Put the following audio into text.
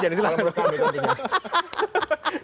kalau menurut kami tentunya